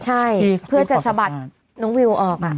ใช่เพื่อจะสะบัดน้องวิวออก